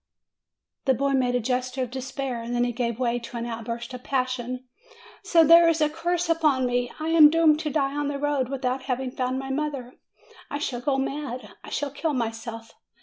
The boy made a gesture of despair. Then he gave way to an outburst of passion. "So there is a curse upon me! I am doomed to die on the road, without having found my mother! I shall go mad! I shall kill myself!